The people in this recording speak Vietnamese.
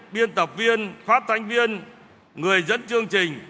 biên tập viên phát tán viên người dẫn chương trình